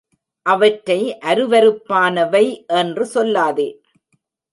அவற்றை அருவருப்பானவை என்று சொல்லாதே.